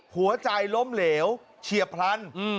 หัวใจล้มเหลวเฉียบพลัน